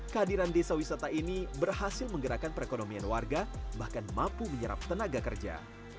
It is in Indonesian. kehadiran desa wisata ini berhasil menggerakkan perekonomian warga bahkan mampu menyerap tenaga kerja